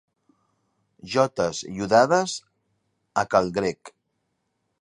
Jotes iodades a cal Grec.